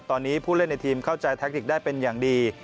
ตอนนี้ผู้เล่นในทีมเข้าใจแทคติกได้เป็นอย่างดี